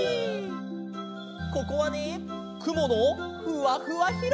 ここはねくものふわふわひろば。